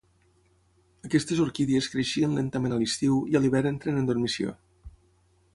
Aquestes orquídies creixien lentament a l'estiu i a l'hivern entren en dormició.